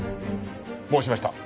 申しました。